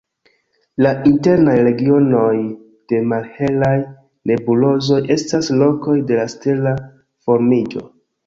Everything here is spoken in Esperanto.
La internaj regionoj de malhelaj nebulozoj estas lokoj de la stela formiĝo.